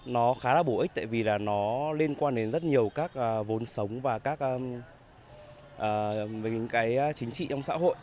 nó khá là bổ ích tại vì là nó liên quan đến rất nhiều các vốn sống và các cái chính trị trong xã hội